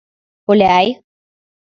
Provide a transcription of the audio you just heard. Оляй